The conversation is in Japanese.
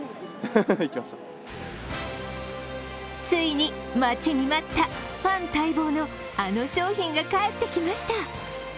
ついに、待ちに待ったファン待望のあの商品が帰ってきました。